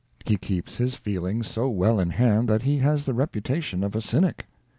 He keeps his feelings so well in hand that he has the reputa tion of a cynic.